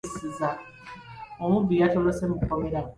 Omubbi yatolose mu kkomera.